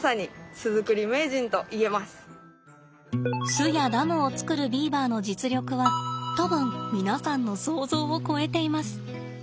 巣やダムを作るビーバーの実力は多分皆さんの想像を超えています。